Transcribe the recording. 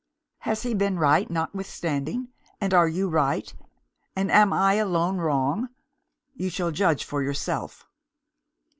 Has he been right, notwithstanding? and are you right? And am I alone wrong? You shall judge for yourself.